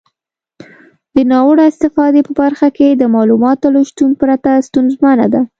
د ناوړه استفادې په برخه کې د معلوماتو له شتون پرته ستونزمنه ده.